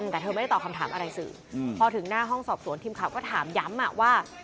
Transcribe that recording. แต่เธอไม่ได้ตอบคำถามอะไรสื่อพอถึงหน้าห้องสอบสวนทีมข่าวก็ถามย้ำว่า